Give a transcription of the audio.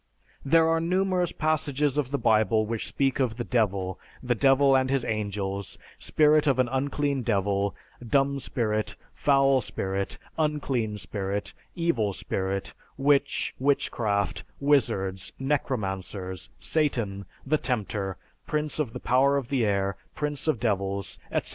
There are numerous passages of the Bible which speak of the Devil, the Devil and his angels, spirit of an unclean devil, dumb spirit, foul spirit, unclean spirit, evil spirit, witch, witchcraft, wizards, necromancers, satan, the tempter, prince of the power of the air, prince of devils, etc.